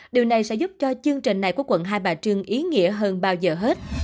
điều này sẽ giúp cho chương trình này của quận hai bà trưng ý nghĩa hơn bao giờ hết